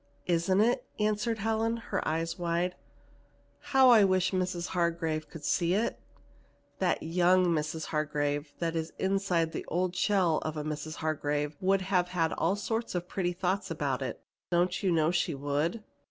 "Isn't it?" answered Helen, her eyes wide. "How I wish Mrs. Hargrave could see it! That young Mrs. Hargrave that is inside the old shell of a Mrs. Hargrave would have all sorts of pretty thoughts about it. Don't you know she would?"